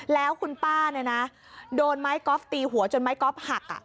แล้วคุณป้าโดนไมค์กอล์ฟตีหัวจนไมค์กอล์ฟหัก